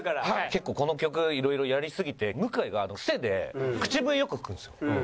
結構この曲色々やりすぎて向井がクセで口笛よく吹くんですよ。